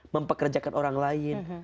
mempekerjakan orang lain